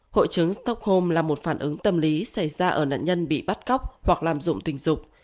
hội chứng stockholm là một phản ứng tâm lý xảy ra ở nạn nhân bị bắt cóc hoặc lạm dụng tình dục